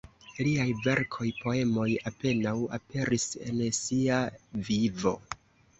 Liaj verkoj, poemoj apenaŭ aperis en sia vivo.